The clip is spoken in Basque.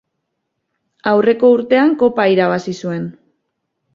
Aurreko urtean kopa irabazi zuen.